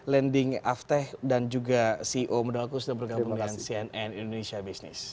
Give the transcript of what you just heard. lending avteh dan juga ceo modal kursus dan bergabung dengan cnn indonesia business